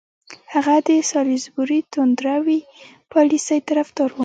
هغه د سالیزبوري توندروي پالیسۍ طرفدار وو.